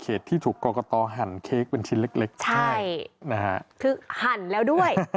ที่ถูกกรกตหั่นเค้กเป็นชิ้นเล็กใช่นะฮะคือหั่นแล้วด้วย